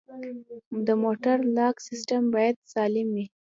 د موټر لاک سیستم باید سالم وي.